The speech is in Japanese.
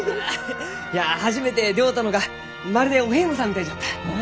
いや初めて出会うたのがまるでお遍路さんみたいじゃった。